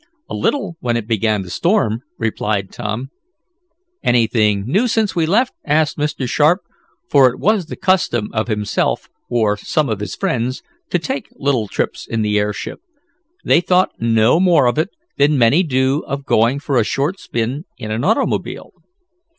"A little when it began to storm," replied Tom. "Anything new since we left?" asked Mr. Sharp, for it was the custom of himself, or some of his friends, to take little trips in the airship. They thought no more of it than many do of going for a short spin in an automobile.